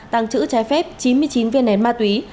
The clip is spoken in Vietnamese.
tăng trữ trái phép chín mươi chín viên nén ma túy